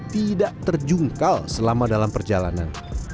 tidak terjungkal selama dalam perjalanan